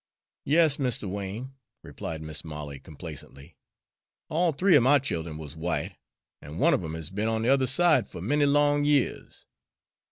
"Yas, Mr. Wain," replied Mis' Molly complacently, "all three er my child'en wuz white, an' one of 'em has be'n on the other side fer many long years.